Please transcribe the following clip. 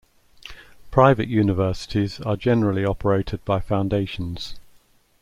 Private universities are generally operated by foundations.